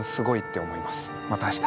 また明日。